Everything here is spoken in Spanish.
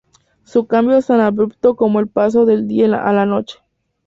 Su cambio es tan abrupto como el paso del día a la noche.